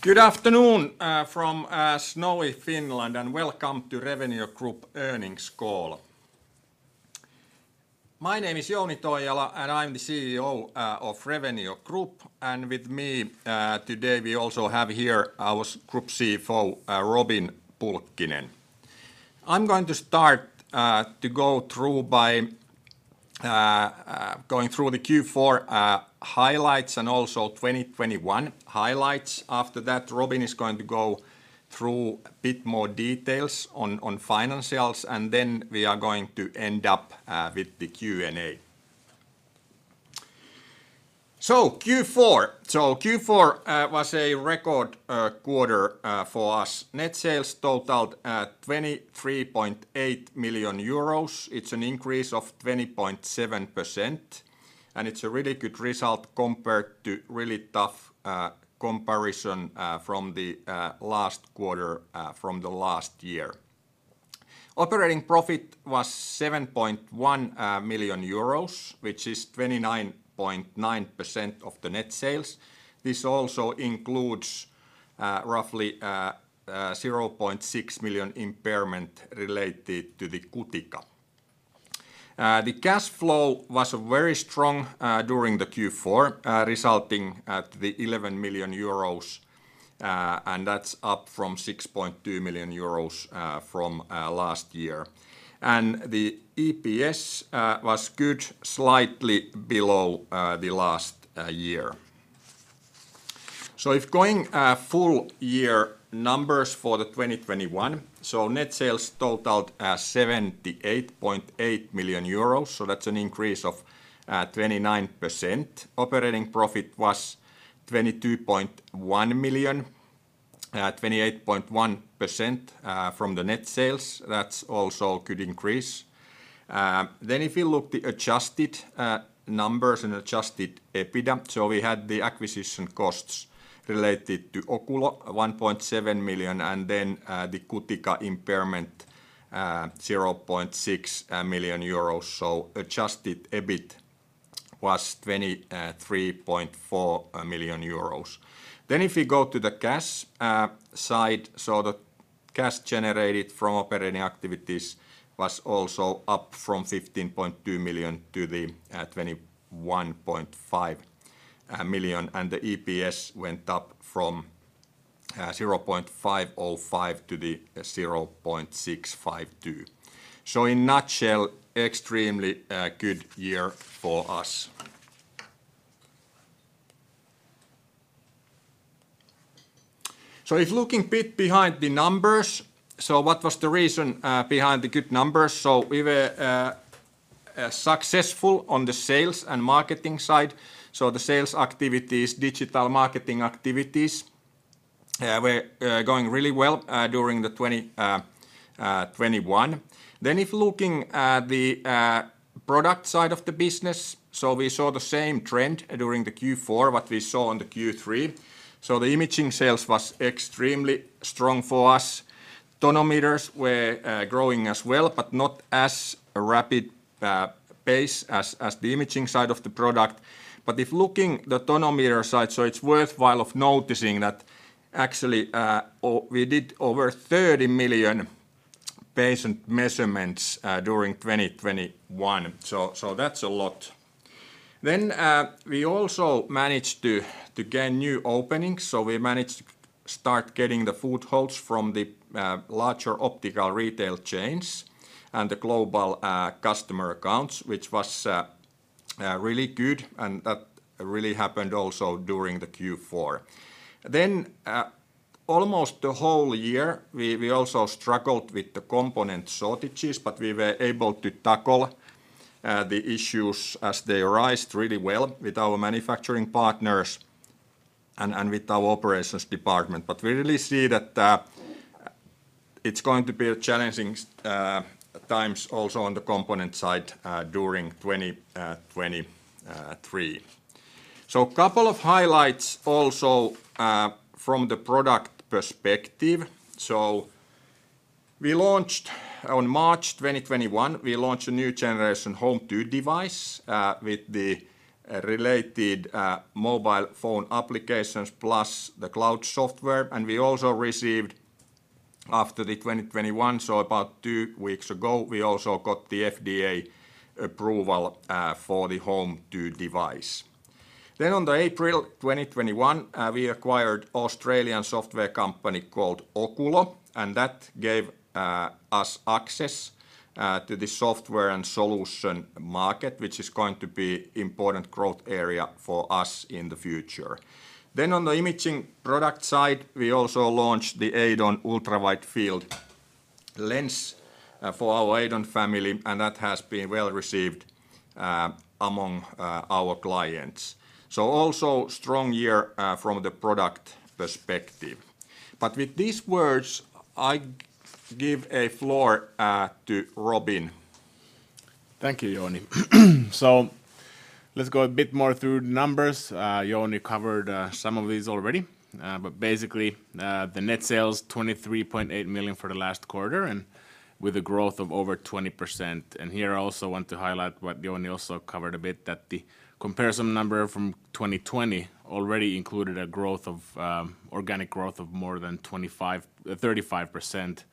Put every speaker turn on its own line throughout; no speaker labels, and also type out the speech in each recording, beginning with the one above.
Good afternoon from snowy Finland, and welcome to Revenio Group earnings call. My name is Jouni Toijala, and I'm the CEO of Revenio Group, and with me today, we also have here our group CFO, Robin Pulkkinen. I'm going to start to go through by going through the Q4 highlights and also 2021 highlights. After that, Robin is going to go through a bit more details on financials, and then we are going to end up with the Q&A. Q4. Q4 was a record quarter for us. Net sales totaled 23.8 million euros. It's an increase of 20.7%, and it's a really good result compared to really tough comparison from the last quarter from the last year. Operating profit was 7.1 million euros, which is 29.9% of the net sales. This also includes roughly zero point six million impairment related to the Cutica. The cash flow was very strong during the Q4, resulting in the 11 million euros, and that's up from 6.2 million euros from last year. The EPS was good, slightly below last year. If going full year numbers for 2021, net sales totaled 78.8 million euros, that's an increase of 29%. Operating profit was EUR 22.1 million, 28.1% from the net sales. That's also good increase. If you look at the adjusted numbers and adjusted EBITDA, we had the acquisition costs related to Oculo, 1.7 million, and then the Cutica impairment, 0.6 million euros. Adjusted EBIT was 23.4 million euros. If you go to the cash side, the cash generated from operating activities was also up from 15.2 million-21.5 million, and the EPS went up from 0.505-0.652. In a nutshell, extremely good year for us. If looking a bit behind the numbers, what was the reason behind the good numbers? We were successful on the sales and marketing side. The sales activities, digital marketing activities, were going really well during 2021. If looking at the product side of the business, we saw the same trend during Q4 what we saw on Q3. The imaging sales was extremely strong for us. Tonometers were growing as well, but not as a rapid pace as the imaging side of the product. If looking the tonometer side, it's worthwhile of noticing that actually we did over 30 million patient measurements during 2021. That's a lot. We also managed to gain new openings, so we managed to start getting the footholds from the larger optical retail chains and the global customer accounts, which was really good, and that really happened also during the Q4. Almost the whole year, we also struggled with the component shortages, but we were able to tackle the issues as they arose really well with our manufacturing partners and with our operations department. We really see that it's going to be challenging times also on the component side during 2023. A couple of highlights also from the product perspective. We launched in March 2021, we launched a new generation HOME2 device, with the related mobile phone applications plus the cloud software, and we also received after the 2021, so about two weeks ago, we also got the FDA approval for the HOME2 device. On the April 2021, we acquired Australian software company called Oculo, and that gave us access to the software and solution market, which is going to be important growth area for us in the future. On the imaging product side, we also launched the EIDON Ultra-Widefield lens for our EIDON family, and that has been well-received among our clients. Also strong year from the product perspective. With these words, I give the floor to Robin.
Thank you, Jouni. Let's go a bit more through the numbers. Jouni covered some of these already, but basically, the net sales, 23.8 million for the last quarter and with a growth of over 20%. Here I also want to highlight what Jouni also covered a bit, that the comparison number from 2020 already included a growth of, organic growth of more than 25%-35%.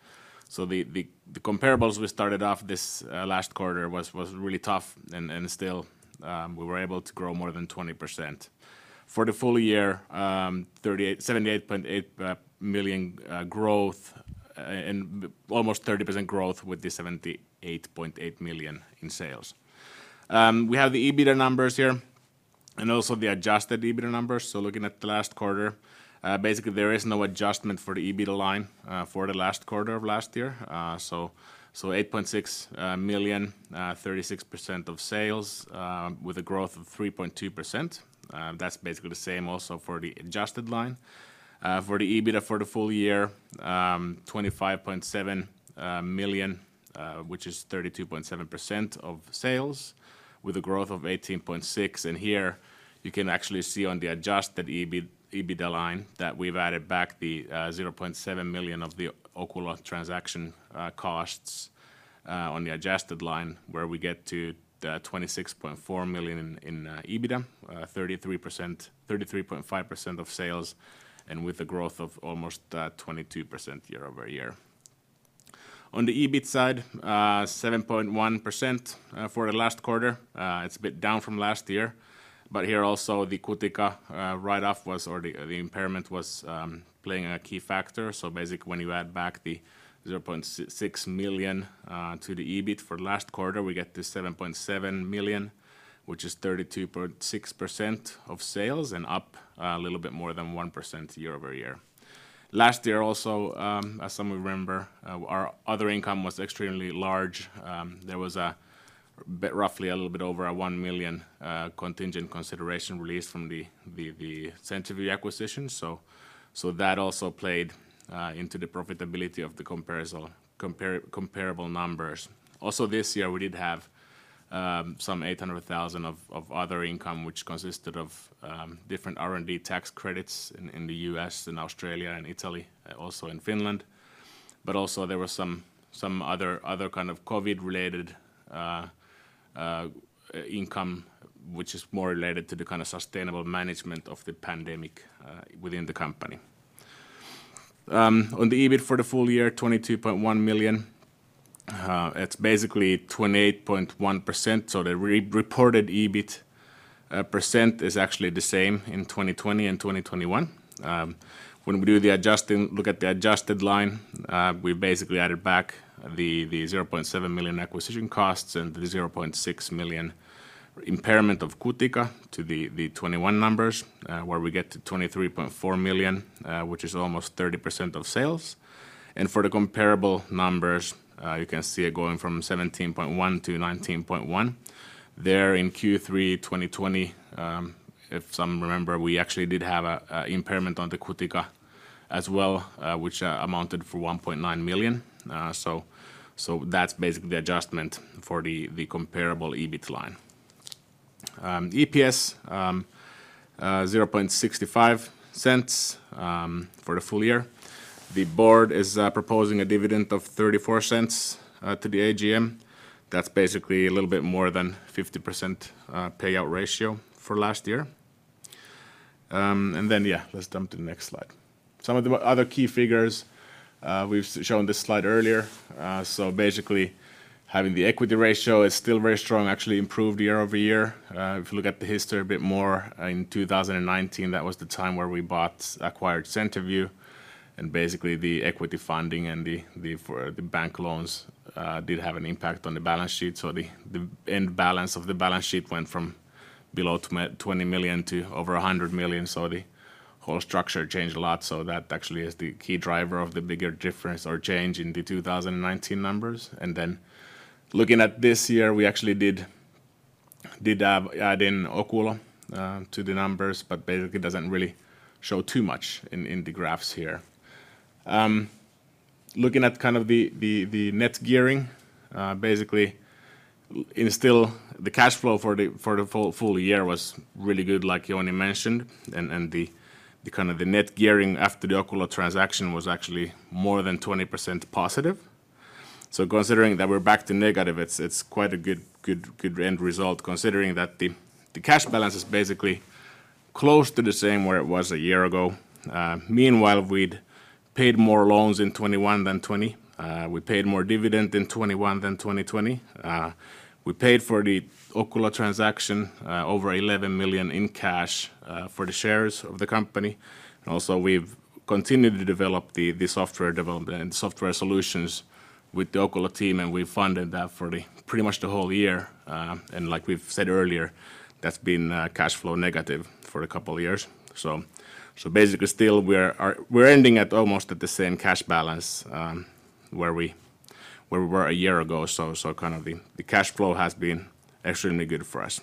The comparables we started off this last quarter was really tough and still, we were able to grow more than 20%. For the full year, 78.8 million growth and almost 30% growth with the 78.8 million in sales. We have the EBITDA numbers here and also the adjusted EBITDA numbers. Looking at the last quarter, basically there is no adjustment for the EBITDA line for the last quarter of last year. 8.6 million, 36% of sales, with a growth of 3.2%. That's basically the same also for the adjusted line for the EBITDA for the full year, 25.7 million, which is 32.7% of sales with a growth of 18.6%. Here you can actually see on the adjusted EBITDA line that we've added back the 0.7 million of the Oculo transaction costs on the adjusted line where we get to the 26.4 million in EBITDA, 33.5% of sales and with a growth of almost 22% year-over-year. On the EBIT side, 7.1% for the last quarter. It's a bit down from last year, but here also the Cutica write-off or the impairment was playing a key factor. Basically when you add back the 0.6 million to the EBIT for last quarter, we get to 7.7 million, which is 32.6% of sales and up a little bit more than 1% year-over-year. Last year also, as some of you remember, our other income was extremely large. There was roughly a little bit over 1 million contingent consideration released from the CenterVue acquisition. That also played into the profitability of the comparable numbers. Also this year, we did have some 800,000 of other income which consisted of different R&D tax credits in the U.S. and Australia and Italy, also in Finland. Also there was some other kind of COVID-related income which is more related to the kind of sustainable management of the pandemic within the company. On the EBIT for the full year, 22.1 million, it's basically 28.1%. The re-reported EBIT percent is actually the same in 2020 and 2021. When we look at the adjusted line, we basically added back the 0.7 million acquisition costs and the 0.6 million impairment of Cutica to the 21 numbers, where we get to 23.4 million, which is almost 30% of sales. For the comparable numbers, you can see it going from 17.1 million-19.1 million. Then in Q3 2020, if some remember, we actually did have an impairment on the Cutica as well, which amounted to 1.9 million. That's basically the adjustment for the comparable EBIT line. EPS 0.65 for the full year. The board is proposing a dividend of 0.34 to the AGM. That's basically a little bit more than 50% payout ratio for last year. Let's jump to the next slide. Some of the other key figures, we've shown this slide earlier. Basically, the equity ratio is still very strong, actually improved year-over-year. If you look at the history a bit more, in 2019, that was the time where we acquired CenterVue, and basically the equity funding and the bank loans did have an impact on the balance sheet. The end balance of the balance sheet went from below 20 million to over 100 million. The whole structure changed a lot. That actually is the key driver of the bigger difference or change in the 2019 numbers. Looking at this year, we actually did add in Oculo to the numbers, but basically it doesn't really show too much in the graphs here. Looking at kind of the net gearing, basically it is still the cash flow for the full year was really good like Jouni mentioned. The net gearing after the Oculo transaction was actually more than 20% positive. Considering that we're back to negative, it's quite a good end result considering that the cash balance is basically close to the same where it was a year ago. Meanwhile, we'd paid more loans in 2021 than 2020. We paid more dividend in 2021 than 2020. We paid for the Oculo transaction over 11 million in cash for the shares of the company. We've continued to develop the software development and software solutions with the Oculo team, and we funded that for pretty much the whole year. Like we've said earlier, that's been cash flow negative for a couple of years. Basically, we're ending at almost the same cash balance where we were a year ago. Kind of the cash flow has been extremely good for us.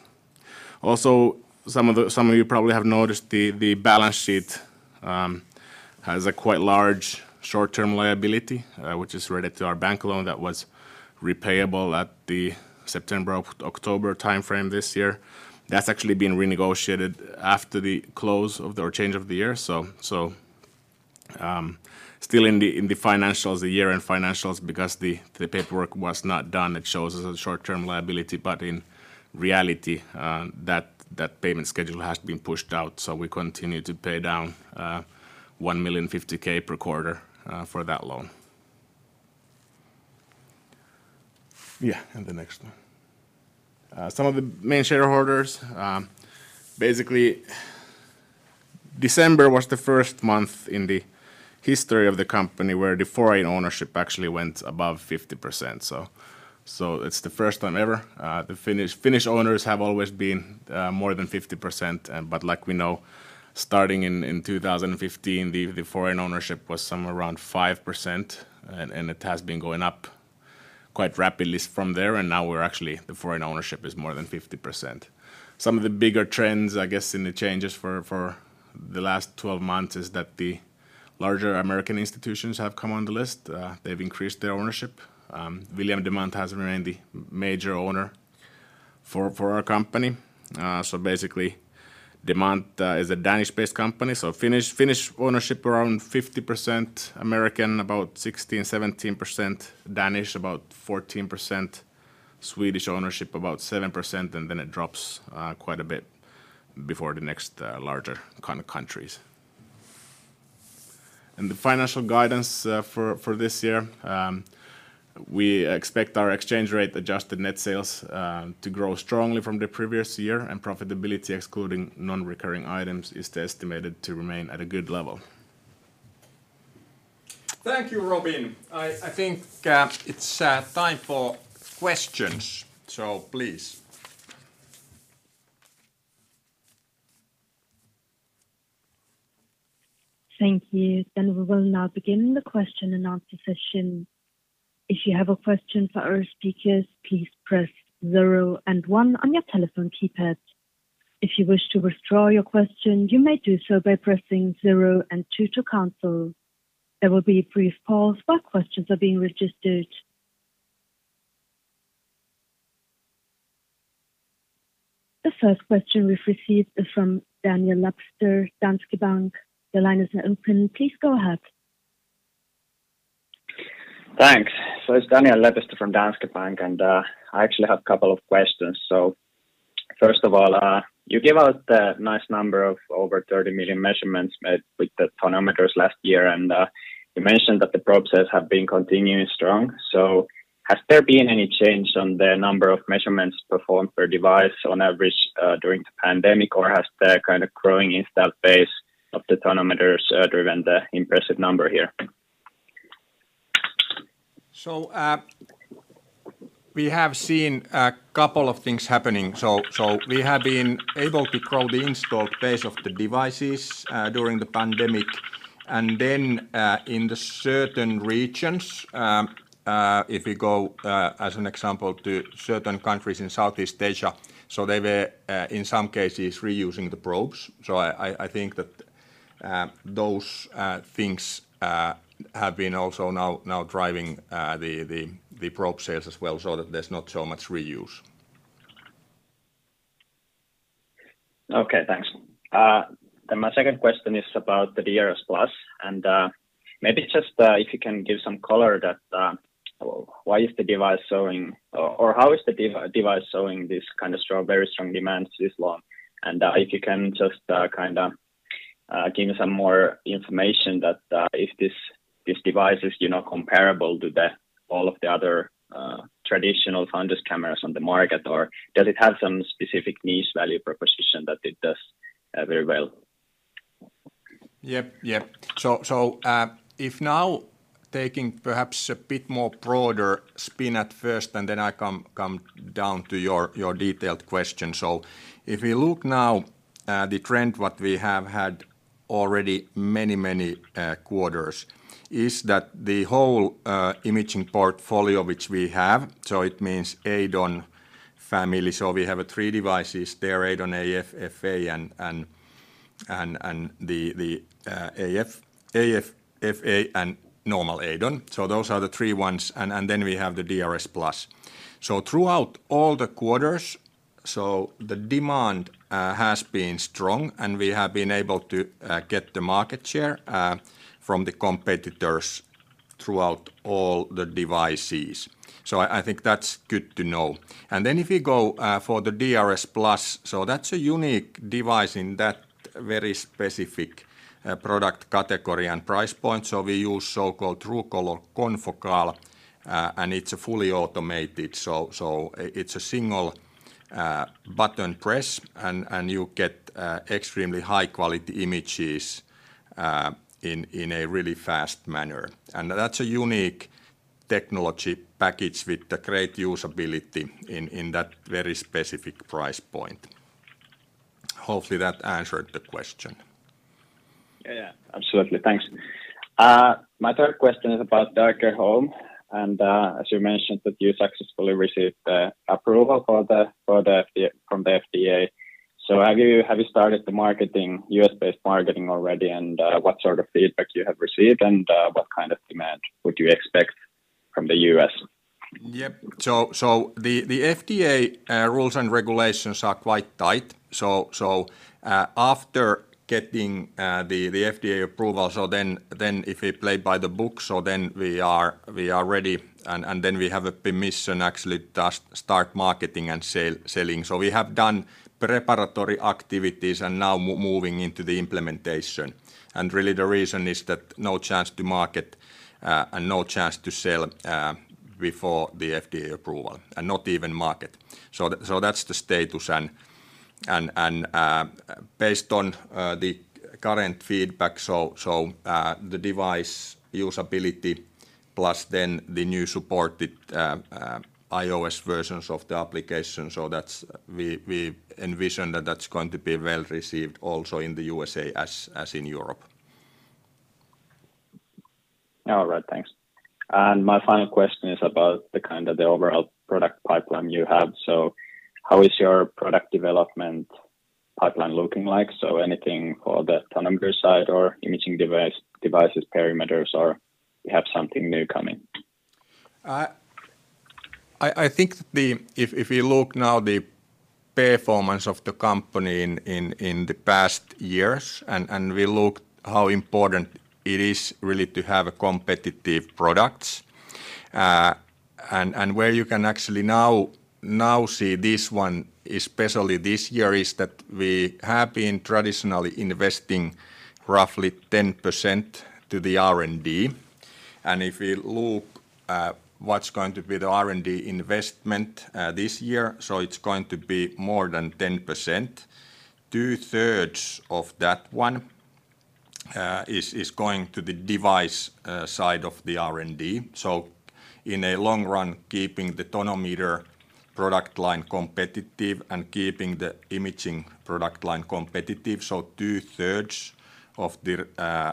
Some of you probably have noticed the balance sheet has a quite large short-term liability, which is related to our bank loan that was repayable at the September-October timeframe this year. That's actually been renegotiated after the close of the year. Still in the financials, the year-end financials, because the paperwork was not done, it shows as a short-term liability. In reality, that payment schedule has been pushed out. We continue to pay down 1.05 million per quarter for that loan. Yeah, the next one. Some of the main shareholders, basically December was the first month in the history of the company where the foreign ownership actually went above 50%, so it's the first time ever. The Finnish owners have always been more than 50%, but like we know, starting in 2015, the foreign ownership was somewhere around 5% and it has been going up quite rapidly from there, and now the foreign ownership is more than 50%. Some of the bigger trends, I guess, in the changes for the last 12 months is that the larger American institutions have come on the list. They've increased their ownership. William Demant has remained the major owner for our company. Basically Demant is a Danish-based company, so Finnish ownership around 50%, American about 16%-17%, Danish about 14%, Swedish ownership about 7%, and then it drops quite a bit before the next larger kind of countries. The financial guidance for this year, we expect our exchange rate-adjusted net sales to grow strongly from the previous year, and profitability, excluding non-recurring items, is estimated to remain at a good level.
Thank you, Robin. I think it's time for questions, so please.
Thank you. We will now begin the question and answer session. If you have a question for our speakers, please press zero and one on your telephone keypad. If you wish to withdraw your question, you may do so by pressing zero and two to cancel. There will be a brief pause while questions are being registered. The first question we've received is from Daniel Lepistö, Danske Bank. Your line is now open. Please go ahead.
Thanks. It's Daniel Lepistö from Danske Bank, and I actually have a couple of questions. First of all, you gave out the nice number of over 30 million measurements made with the tonometers last year, and you mentioned that the probe sales have been continuing strong. Has there been any change on the number of measurements performed per device on average during the pandemic, or has the kind of growing installed base of the tonometers driven the impressive number here?
We have seen a couple of things happening. We have been able to grow the installed base of the devices during the pandemic. In certain regions, if you go as an example to certain countries in Southeast Asia, they were in some cases reusing the probes. I think that those things have been also now driving the probe sales as well, so that there's not so much reuse.
Okay, thanks. My second question is about the DRSplus, and maybe just if you can give some color on why the device is showing or how the device is showing this kind of strong, very strong demand this long? And if you can just give me some more information on if these devices are comparable to all of the other traditional fundus cameras on the market, or does it have some specific niche value proposition that it does very well?
Yep. Yep. I'm now taking perhaps a bit more broader spin at first, and then I come down to your detailed question. If you look now at the trend what we have had already many many quarters, is that the whole imaging portfolio which we have, so it means EIDON family. We have three devices there, EIDON AF, EIDON FA, and the normal EIDON. Those are the three ones. Then we have the DRSplus. Throughout all the quarters, so the demand has been strong, and we have been able to get the market share from the competitors throughout all the devices. I think that's good to know. If you go for the DRSplus, that's a unique device in that very specific product category and price point. We use so-called TrueColor Confocal, and it's fully automated. It's a single button press and you get extremely high quality images in a really fast manner. That's a unique technology package with the great usability in that very specific price point. Hopefully that answered the question.
Yeah. Absolutely. Thanks. My third question is about iCare HOME, and as you mentioned that you successfully received the approval for the FDA. Have you started the marketing, U.S.-based marketing already, and what sort of feedback you have received, and what kind of demand would you expect from the U.S.?
Yep. The FDA rules and regulations are quite tight. After getting the FDA approval, if we play by the books, then we are ready, and then we have a permission actually to start marketing and selling. We have done preparatory activities, and now moving into the implementation. Really the reason is that no chance to market and no chance to sell before the FDA approval, and not even market. That's the status and, based on the current feedback, the device usability plus then the new supported iOS versions of the application. That's we envision that that's going to be well-received also in the USA as in Europe.
All right. Thanks. My final question is about the kind of the overall product pipeline you have. How is your product development pipeline looking like? Anything for the tonometer side or imaging devices, perimeters, or you have something new coming?
I think if you look now at the performance of the company in the past years and we look how important it is really to have competitive products, and where you can actually now see this one, especially this year, is that we have been traditionally investing roughly 10% to the R&D. If we look at what's going to be the R&D investment this year, so it's going to be more than 10%. 2/3 of that one is going to the device side of the R&D. In a long run, keeping the tonometer product line competitive and keeping the imaging product line competitive, so 2/3 of the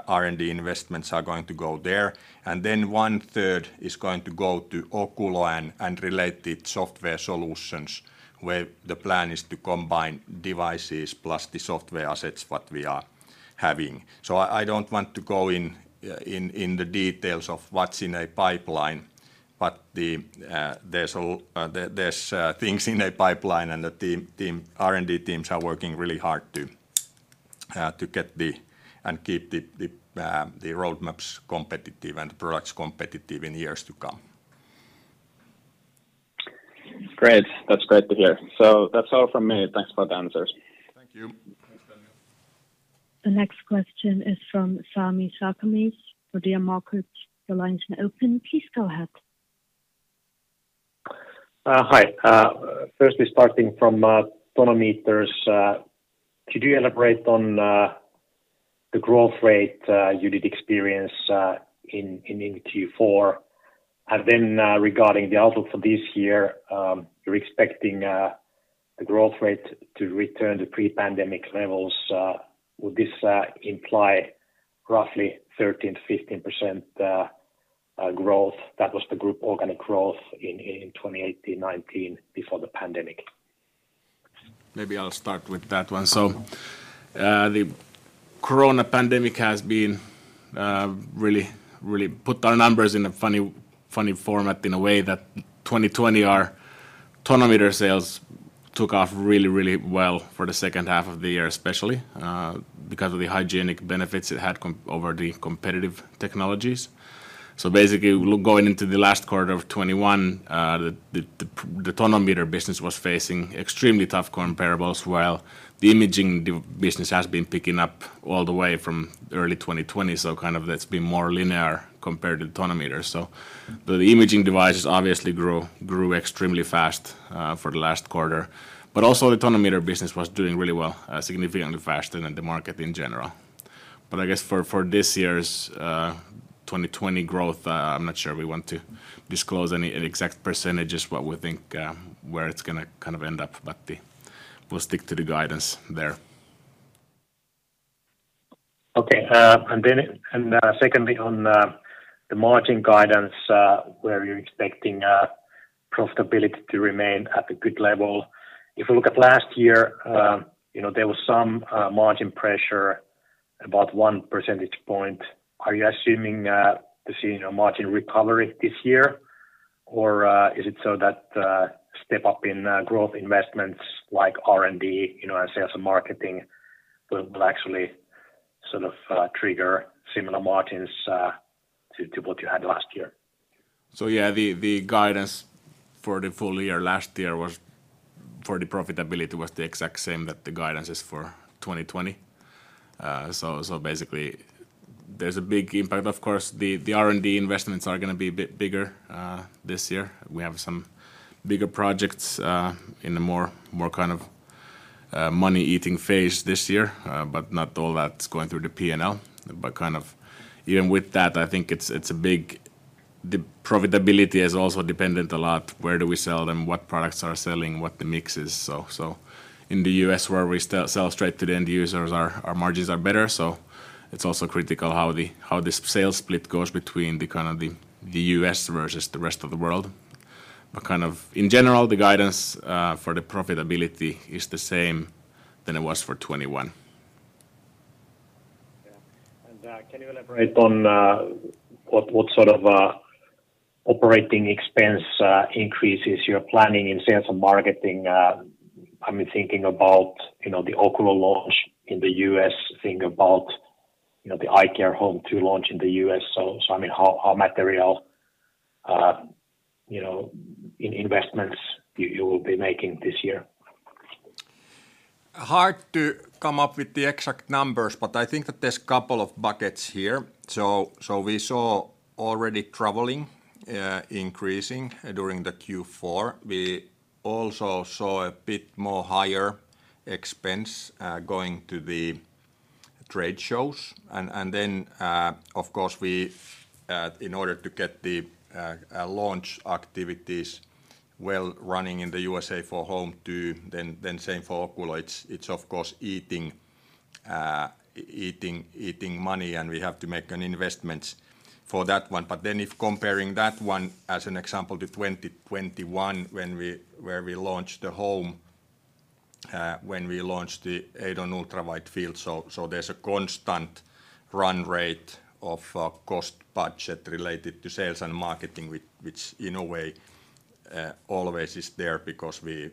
R&D investments are going to go there. 1/3 is going to go to Oculo and related software solutions, where the plan is to combine devices plus the software assets that we are having. I don't want to go in the details of what's in a pipeline, but there's things in a pipeline and the team R&D teams are working really hard to get and keep the roadmaps competitive and the products competitive in years to come.
Great. That's great to hear. That's all from me. Thanks for the answers.
Thank you.
Thanks, Daniel.
The next question is from Sami Sarkamies, Nordea Markets. Your line is now open. Please go ahead.
Hi. Firstly, starting from tonometers, could you elaborate on the growth rate you did experience in Q4? Regarding the outlook for this year, you're expecting the growth rate to return to pre-pandemic levels. Would this imply roughly 13%-15% growth? That was the group organic growth in 2018, 2019 before the pandemic.
Maybe I'll start with that one. The corona pandemic has been really put our numbers in a funny format in a way that 2020, our tonometer sales took off really well for the second half of the year, especially because of the hygienic benefits it had over the competitive technologies. Basically, going into the last quarter of 2021, the tonometer business was facing extremely tough comparables while the imaging business has been picking up all the way from early 2020. Kind of that's been more linear compared to tonometers. The imaging devices obviously grew extremely fast for the last quarter. Also the tonometer business was doing really well, significantly faster than the market in general. I guess for this year's 2020 growth, I'm not sure we want to disclose any exact percentages what we think where it's gonna kind of end up, but we'll stick to the guidance there.
Okay. Secondly, on the margin guidance, where you're expecting profitability to remain at a good level. If you look at last year, you know, there was some margin pressure about 1 percentage point. Are you assuming to see, you know, margin recovery this year? Or is it so that step up in growth investments like R&D, you know, and sales and marketing will actually sort of trigger similar margins to what you had last year?
Yeah, the guidance for the full year last year was for the profitability the exact same that the guidance is for 2020. Basically there's a big impact. Of course, the R&D investments are gonna be a bit bigger this year. We have some bigger projects in a more kind of money-eating phase this year, but not all that's going through the P&L. Kind of even with that, I think it's a big. The profitability is also dependent a lot where do we sell them, what products are selling, what the mix is. In the U.S., where we sell straight to the end users, our margins are better. It's also critical how the sales split goes between the kind of the U.S. versus the rest of the world. Kind of in general, the guidance for the profitability is the same than it was for 2021.
Yeah. Can you elaborate on what sort of operating expense increases you're planning in sales and marketing? I'm thinking about, you know, the Oculo launch in the U.S., thinking about, you know, the iCare HOME2 launch in the U.S. I mean, how material, you know, in investments you will be making this year?
Hard to come up with the exact numbers, but I think that there's couple of buckets here. We saw already travel increasing during the Q4. We also saw a bit more higher expense going to the trade shows. Then, of course, in order to get the launch activities well running in the USA for HOME2, then same for Oculo, it's of course eating money and we have to make investments for that one. If comparing that one as an example to 2021 where we launched the HOME, when we launched the EIDON Ultra-Widefield. There's a constant run rate of cost budget related to sales and marketing, which in a way always is there because we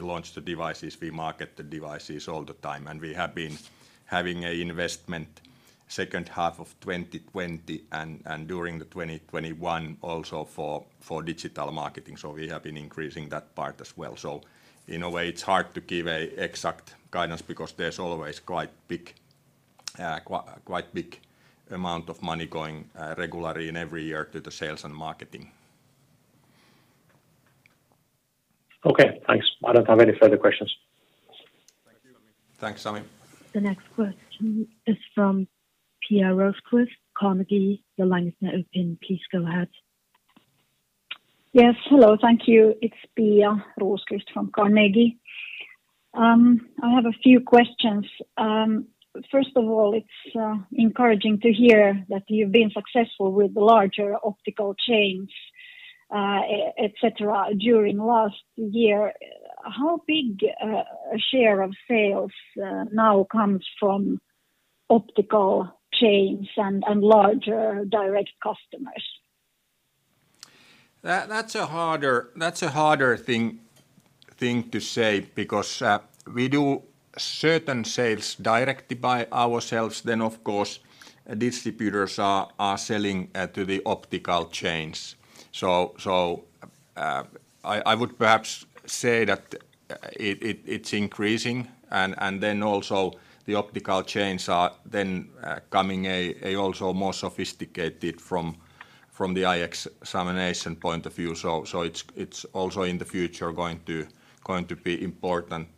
launched the devices, we market the devices all the time. We have been having an investment second half of 2020 and during 2021 also for digital marketing. We have been increasing that part as well. In a way, it's hard to give an exact guidance because there's always quite big amount of money going regularly in every year to the sales and marketing.
Okay, thanks. I don't have any further questions.
Thank you.
Thanks, Sami.
The next question is from Pia Rosqvist, Carnegie. Your line is now open. Please go ahead.
Yes. Hello, thank you. It's Pia Rosqvist from Carnegie. I have a few questions. First of all, it's encouraging to hear that you've been successful with the larger optical chains, et cetera, during last year. How big a share of sales now comes from optical chains and larger direct customers?
That's a harder thing to say because we do certain sales directly by ourselves, then of course distributors are selling to the optical chains. I would perhaps say that it's increasing and then also the optical chains are then coming also more sophisticated from the eye examination point of view. It's also in the future going to be important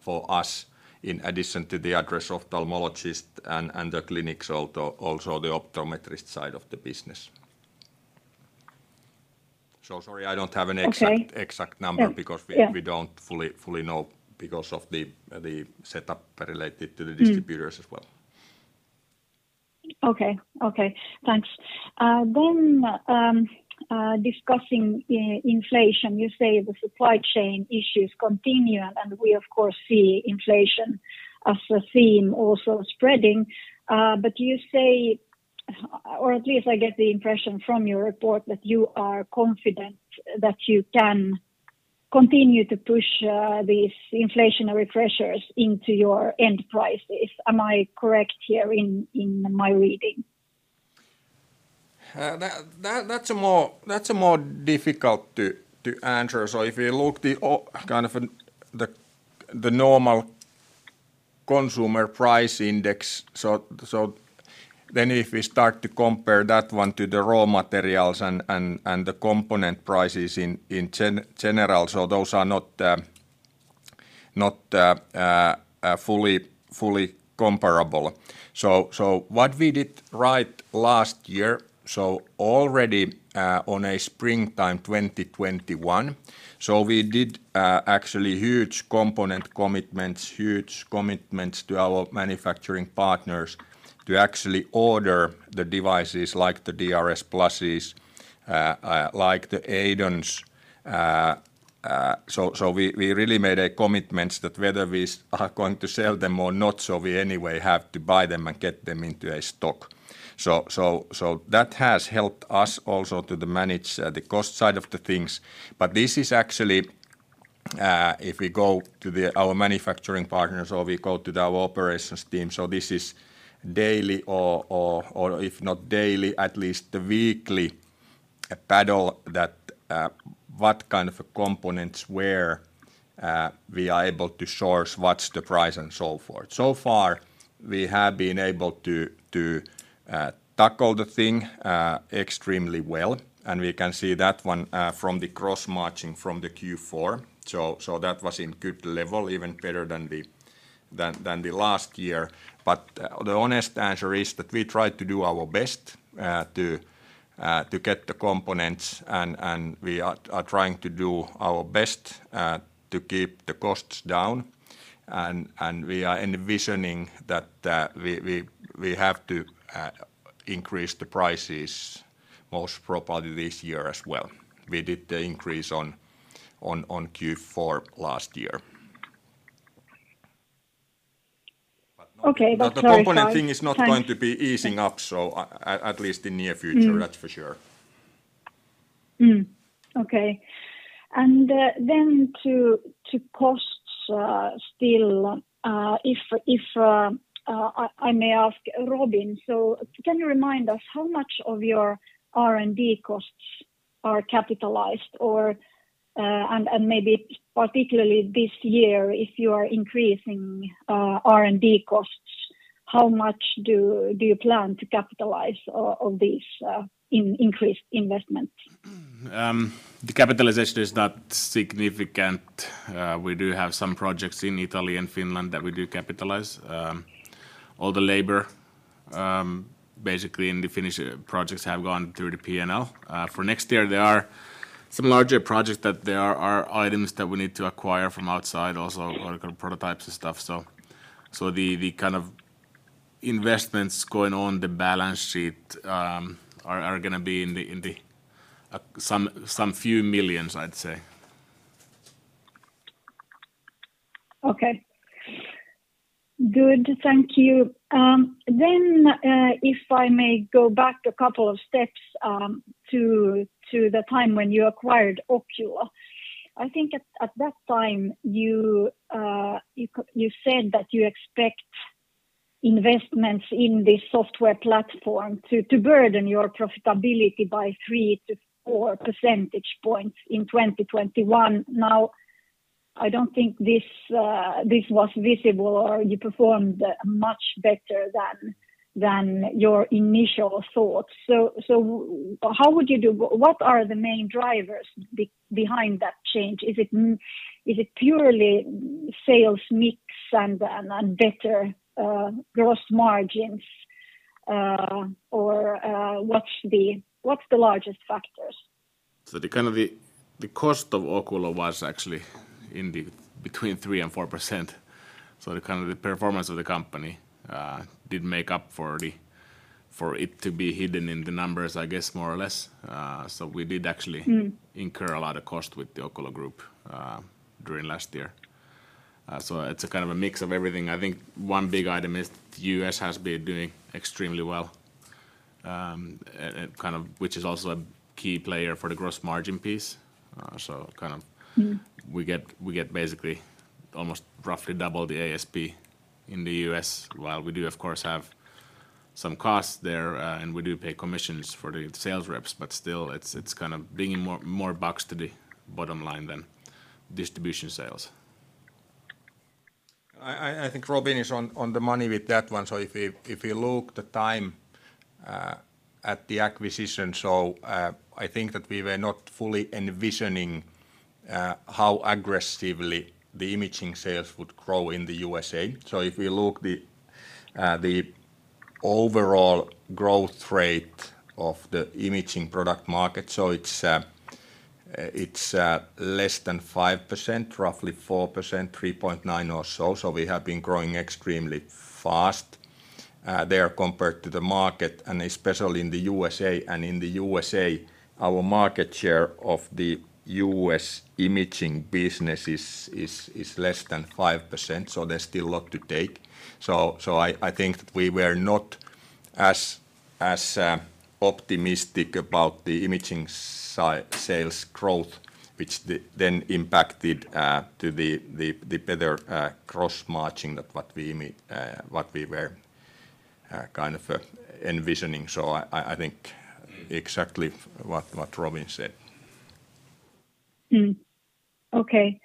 for us in addition to addressing ophthalmologists and the clinics, also the optometry side of the business. Sorry, I don't have an.
Okay.
exact number because
Yeah. Yeah.
We don't fully know because of the setup related to the distributors as well.
Okay. Okay. Thanks. Discussing inflation, you say the supply chain issues continue, and we of course see inflation as a theme also spreading. You say, or at least I get the impression from your report, that you are confident that you can continue to push these inflationary pressures into your end prices. Am I correct here in my reading?
That's more difficult to answer. If you look at the kind of the normal consumer price index, then if we start to compare that one to the raw materials and the component prices in general, those are not fully comparable. What we did right last year, already on a springtime 2021, we did actually huge commitments to our manufacturing partners to actually order the devices like the DRSpluses, like the EIDONs. We really made commitments that whether we are going to sell them or not, we anyway have to buy them and get them into stock. That has helped us also to manage the cost side of the things. This is actually if we go to our manufacturing partners or we go to our operations team, this is daily or if not daily, at least weekly battle that what kind of components, where we are able to source, what's the price and so forth. So far, we have been able to tackle the thing extremely well, and we can see that one from the cross-matching from the Q4. That was in good level, even better than the last year. The honest answer is that we try to do our best to get the components and we are trying to do our best to keep the costs down. We are envisioning that we have to increase the prices most probably this year as well. We did the increase on Q4 last year.
Okay. That's very kind.
The component thing is not going to be easing up, so at least in near future.
Mm-hmm.
That's for sure.
Okay. Then to costs, still, if I may ask, Robin, can you remind us how much of your R&D costs are capitalized or, and maybe particularly this year if you are increasing R&D costs? How much do you plan to capitalize on this increased investment?
The capitalization is not significant. We do have some projects in Italy and Finland that we do capitalize. All the labor, basically in the Finnish projects have gone through the P&L. For next year, there are some larger projects that there are items that we need to acquire from outside also or kind of prototypes and stuff. The kind of investments going on the balance sheet are gonna be in the some few million, I'd say.
Okay. Good. Thank you. If I may go back a couple of steps, to the time when you acquired Oculo. I think at that time you said that you expect investments in this software platform to burden your profitability by 3-4 percentage points in 2021. Now, I don't think this was visible or you performed much better than your initial thoughts. What are the main drivers behind that change? Is it purely sales mix and better gross margins? Or, what's the largest factors?
The cost of Oculo was actually between 3%-4%. The performance of the company did make up for it to be hidden in the numbers, I guess, more or less. We did actually incur a lot of cost with the Oculo during last year. It's a kind of a mix of everything. I think one big item is the U.S. has been doing extremely well, and kind of which is also a key player for the gross margin piece. Kind of.
Mm-hmm.
We get basically almost roughly double the ASP in the U.S. while we do of course have some costs there, and we do pay commissions for the sales reps, but still it's kind of bringing more bucks to the bottom line than distribution sales.
I think Robin is on the money with that one. If you look at the time at the acquisition, I think that we were not fully envisioning how aggressively the imaging sales would grow in the U.S. If you look at the overall growth rate of the imaging product market, it's less than 5%, roughly 4%, 3.9% or so. We have been growing extremely fast there compared to the market and especially in the USA. In the USA, our market share of the U.S. imaging business is less than 5%, so there's still a lot to take. I think we were not as optimistic about the imaging sales growth, which then impacted the better gross margin than what we were kind of envisioning. I think exactly what Robin said.
Mm-hmm. Okay.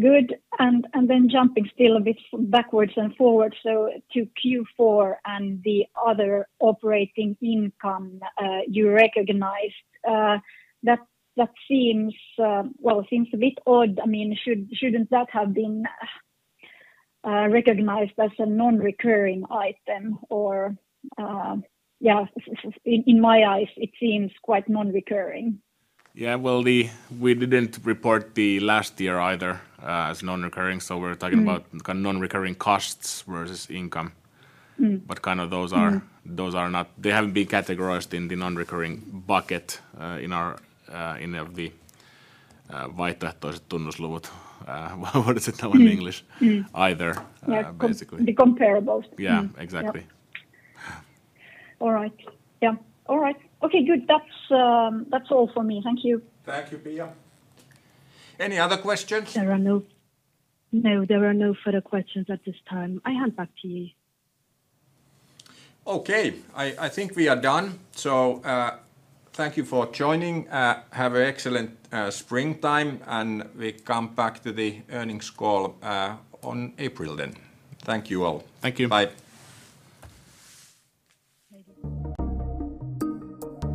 Good. Then jumping still a bit backwards and forwards to Q4 and the other operating income you recognized, that seems, well, a bit odd. I mean, shouldn't that have been recognized as a non-recurring item or yeah, so in my eyes it seems quite non-recurring.
Yeah. Well, we didn't report the last year either, as non-recurring. We're talking about.
Mm-hmm.
Kind of non-recurring costs versus income.
Mm-hmm.
But kind of those are.
Mm-hmm.
Those are not. They haven't been categorized in the non-recurring bucket. What is it called in English?
Mm-hmm.
Either, basically.
Yeah. The comparables.
Yeah. Exactly.
Yeah.
Yeah.
All right. Yeah. All right. Okay. Good. That's all for me. Thank you.
Thank you, Pia. Any other questions?
No, there are no further questions at this time. I hand back to you.
Okay. I think we are done. Thank you for joining. Have an excellent springtime, and we come back to the earnings call on April then. Thank you all. Thank you. Bye.